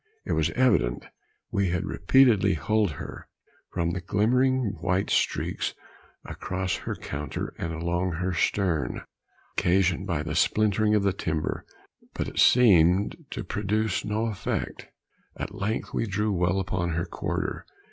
It was evident we had repeatedly hulled her, from the glimmering white streaks across her counter and along her stern, occasioned by the splintering of the timber, but it seemed to produce no effect. At length we drew well upon her quarter.